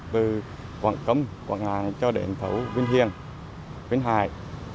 từ quảng công quảng ngãi cho đến thấu vinh hiền vinh hải